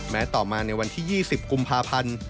ต่อมาในวันที่๒๐กุมภาพันธ์